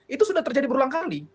itu sudah terjadi berulang kali